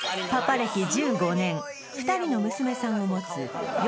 歴１５年２人の娘さんを持つよ